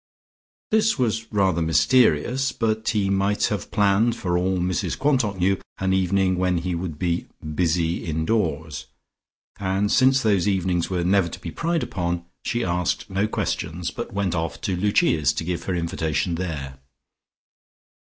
This was rather mysterious, but he might have planned, for all Mrs Quantock knew, an evening when he would be "busy indoors," and since those evenings were never to be pried upon, she asked no questions, but went off to Lucia's to give her invitation there.